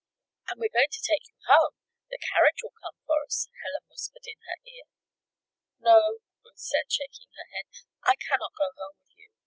"And we're going to take you home; the carriage will come for us," Helen whispered in her ear. "No," Ruth said, shaking her head, "I cannot go home with you.